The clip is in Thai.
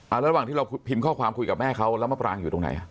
ระหว่างที่เราพิมพ์ข้อความคุยกับแม่เขาแล้วมะปรางอยู่ตรงไหน